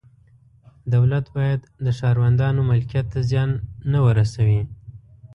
دولت باید د ښاروندانو ملکیت ته زیان نه ورسوي.